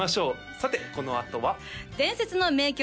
さてこのあとは伝説の名曲